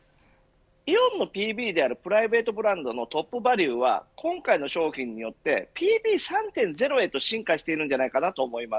イオンのＰＢであるプライベートブランドのトップバリュは今回の商品によってＰＢ３．０へと進化しているんじゃないかな